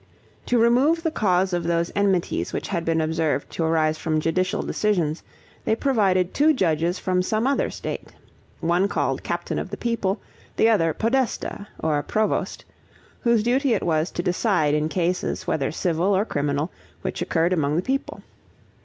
To remove the cause of those enmities which had been observed to arise from judicial decisions, they provided two judges from some other state, one called captain of the people, the other podesta, or provost, whose duty it was to decide in cases, whether civil or criminal, which occurred among the people.